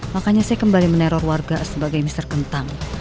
makanya saya kembali meneror warga sebagai mr kentang